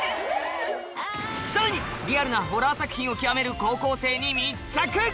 さらにリアルなホラー作品を極める高校生に密着。